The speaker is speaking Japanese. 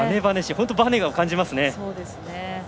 本当にバネを感じますね。